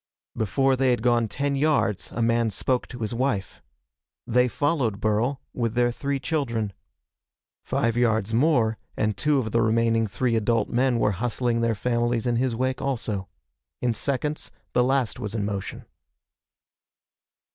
Before they had gone ten yards a man spoke to his wife. They followed Burl, with their three children. Five yards more, and two of the remaining three adult men were hustling their families in his wake also. In seconds the last was in motion.